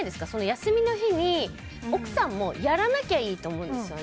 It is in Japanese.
休みの日に奥さんもやらなきゃいいと思うんですよね。